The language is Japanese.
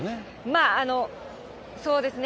まあ、そうですね。